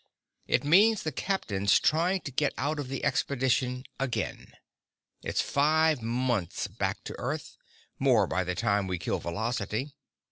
"It means the captain's trying to get out of the expedition, again. It's five months back to Earth more, by the time we kill velocity.